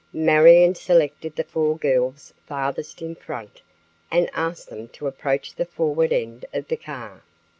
Marion selected the four girls farthest in front and asked them to approach the forward end of the car.